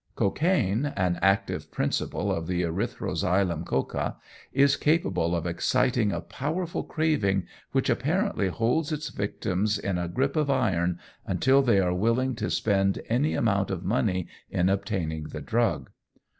Cocaine, an active principle of the Erythroxylum coca, is capable of exciting a powerful craving, which apparently holds its victims in a grip of iron until they are willing to spend any amount of money in obtaining the drug.